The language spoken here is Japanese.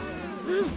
うん！